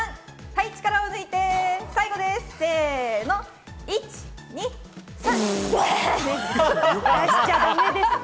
力を抜いて、最後です、せの、１・２・３。